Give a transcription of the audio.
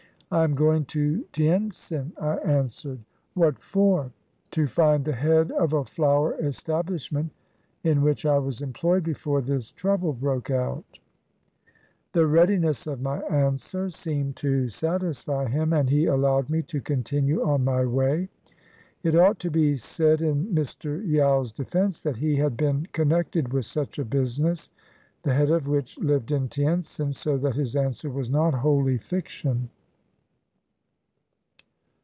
"I am going to Tientsin," I answered. "What for?" "To find the head of a flower establishment in which I was employed before this trouble broke out." 241 CHINA The readiness of my answer seemed to satisfy him, and he allowed me to continue on my way. [It ought to be said in Mr. Yao's defense that he had been connected with such a business, the head of which lived in Tientsin, so that his answer was not wholly fiction.